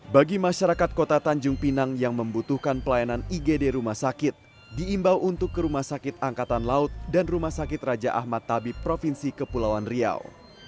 bagi masyarakat kota tanjung pinang yang membutuhkan pelayanan igd rumah sakit diimbau untuk ke rumah sakit angkatan laut dan rumah sakit raja ahmad tabib provinsi kepulauan riau